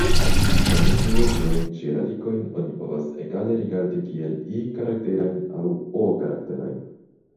Efektive tiajn ĉi radikojn oni povas egale rigardi kiel I-karakterajn aŭ O-karakterajn.